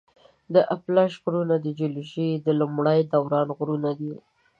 د اپلاش غرونه د جیولوجي د لومړي دوران غرونه دي.